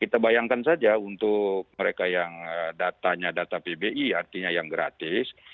kita bayangkan saja untuk mereka yang datanya data pbi artinya yang gratis